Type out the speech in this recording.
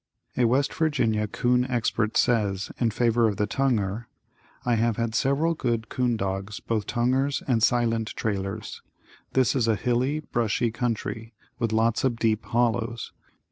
A West Virginia 'coon expert says, in favor of the tonguer: I have had several good 'coon dogs, both tonguers and silent trailers. This is a hilly, brushy country, with lots of deep hollows.